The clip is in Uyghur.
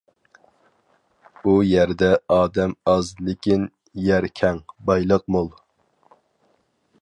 ئۇ يەردە ئادەم ئاز لېكىن يەر كەڭ، بايلىق مول.